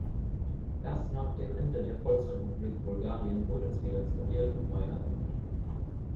Erst nach dem Ende der Volksrepublik Bulgarien wurde es wieder restauriert und neu eröffnet.